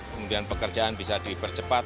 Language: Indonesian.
kemudian pekerjaan bisa dipercepat